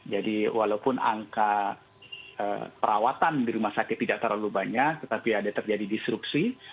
jadi walaupun angka perawatan di rumah sakit tidak terlalu banyak tetapi ada terjadi disrupsi